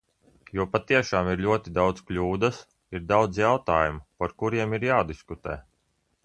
Jo patiešām ir ļoti daudzas kļūdas, ir daudz jautājumu, par kuriem ir jādiskutē.